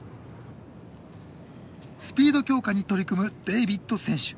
スピード強化に取り組むデイビッド選手。